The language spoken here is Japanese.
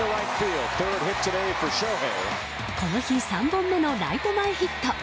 この日３本目のライト前ヒット。